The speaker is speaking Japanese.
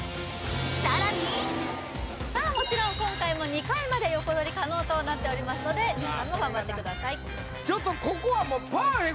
さらにさあもちろん今回も２回まで横取り可能となっておりますので皆さんも頑張ってください